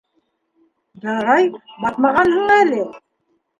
Ярай, батмағанһың әле.